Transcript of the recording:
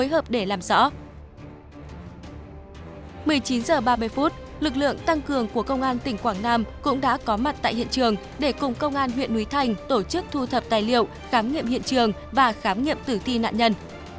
một mươi chín h ba mươi phút lực lượng tăng cường của công an tỉnh quảng nam cũng đã có mặt tại hiện trường để cùng công an huyện núi thành tổ chức thu thập tài liệu khám nghiệm hiện trường và khám nghiệm tử thi nạn nhân